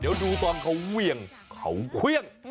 เดี๋ยวดูตอนเขาเวี่ยงเขาเครื่อง